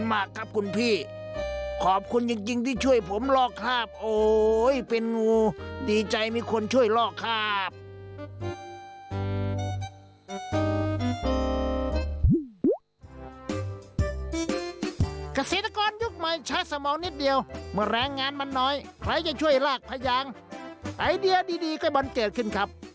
วิ่งวิ่งปลายรอดตัวเรามันชั่งเร็งเราให้เราต้องแข่งขัน